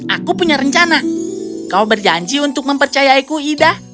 aku punya rencana kau berjanji untuk mempercayaiku ida